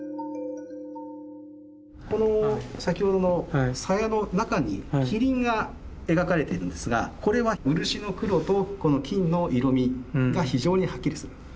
この先ほどの鞘の中に麒麟が描かれているんですがこれは漆の黒とこの金の色みが非常にはっきりする。